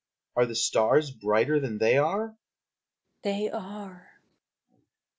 Are the stars brighter than they are?